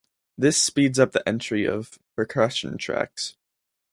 This speeds up the entry of percussion tracks.